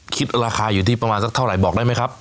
คิดราคาอยู่ที่ประมาณสักเท่าไหร่บอกได้ไหมครับ